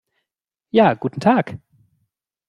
Ja, guten Tag!